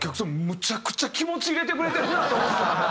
むちゃくちゃ気持ち入れてくれてるなと思ったんかな？